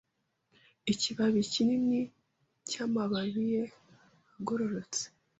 Ikibabi kinini cyamababi ye agororotse;